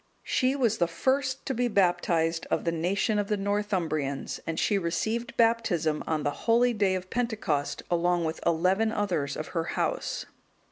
She was the first to be baptized of the nation of the Northumbrians, and she received Baptism on the holy day of Pentecost, along with eleven others of her house.